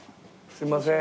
すいません。